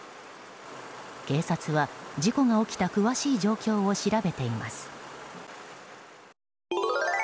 警察は、事故が起きた詳しい状況を調べています。